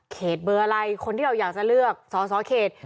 เบอร์อะไรคนที่เราอยากจะเลือกสอสอเขต